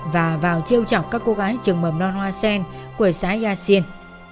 và vào chiêu chọc các cô gái trường mầm non hoa sen của xã yaxin